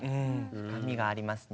深みがありますね。